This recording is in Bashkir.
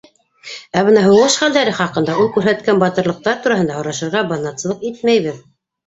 Ә бына һуғыш хәлдәре хаҡында, ул күрһәткән батырлыҡтар тураһында һорашырға баҙнатсылыҡ итмәйбеҙ.